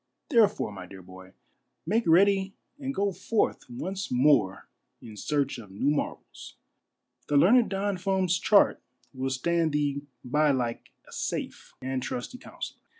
Therefore, my dear boy, make ready ai;d go forth once more in search of new marvels. The learned Don Fum's chart will stand thee by like a safe and trusty counsellor.